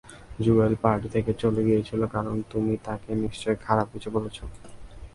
Jewel party থেকে চলে গিয়েছিল কারণ তুমি তাকে নিশ্চয়ই খারাপ কিছু বলছো।